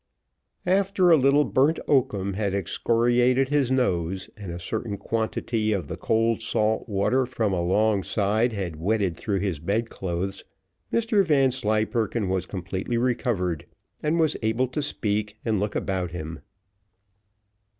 After a little burnt oakum had excoriated his nose, and a certain quantity of the cold salt water from alongside had wetted through his bedclothes, Mr Vanslyperken was completely recovered, and was able to speak and look about him.